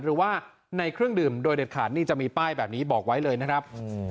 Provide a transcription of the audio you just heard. หรือว่าในเครื่องดื่มโดยเด็ดขาดนี่จะมีป้ายแบบนี้บอกไว้เลยนะครับ